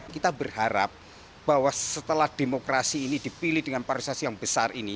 kita berharap bahwa setelah demokrasi ini dipilih dengan parisasi yang besar ini